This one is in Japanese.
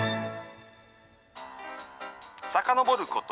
さかのぼること